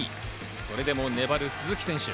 それでも粘る鈴木選手。